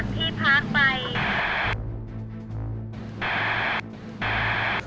เป็นชาวผู้ฐานได้หายออกจากที่พักไป